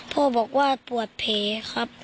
พ่อบอกว่าปวดแผลครับ